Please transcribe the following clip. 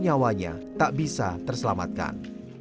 nyawanya tak bisa terselamatkan